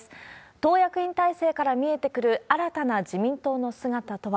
党役員体制から見えてくる新たな自民党の姿とは。